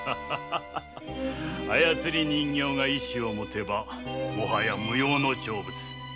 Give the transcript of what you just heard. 操り人形が意志をもてばもはや無用の長物。